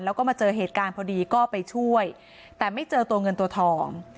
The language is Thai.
แล้วก็มาเจอเหตุการณ์พอดีก็ไปช่วยแต่ไม่เจอตัวเงินตัวทอง